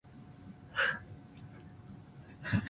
立法院其實不能這樣做